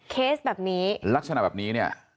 เคสแบบนี้